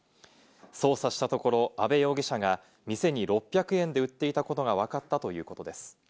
捜査したところ、安倍容疑者が店に６００円で売っていたことがわかったということです。